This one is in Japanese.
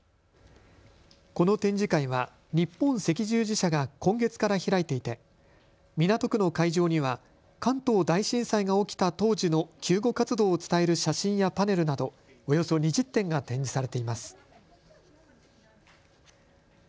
この展示会は日本赤十字社が今月から開いていて港区の会場には関東大震災が起きた当時の救護活動を伝える写真やパネルなどおよそ２０点が展示されています。